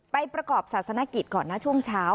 ประกอบศาสนกิจก่อนนะช่วงเช้า